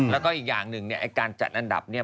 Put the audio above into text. แล้วก็อีกอย่างหนึ่งเนี่ยไอ้การจัดอันดับเนี่ย